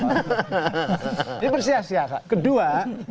ini bersia sia kedua